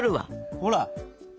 ほら。